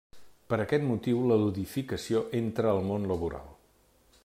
Per aquest motiu la ludificació entra al món laboral.